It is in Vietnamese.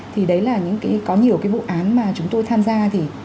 thì đấy là những cái có nhiều cái vụ án mà chúng tôi tham gia thì